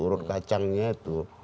urut kacangnya itu